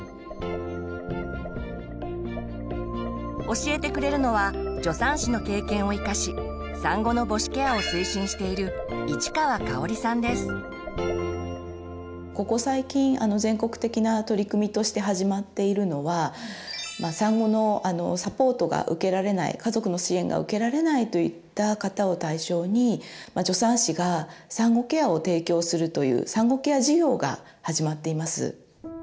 教えてくれるのは助産師の経験を生かし産後の母子ケアを推進しているここ最近全国的な取り組みとして始まっているのは産後のサポートが受けられない家族の支援が受けられないといった方を対象に助産師が産後ケアを提供するという産後ケア事業が始まっています。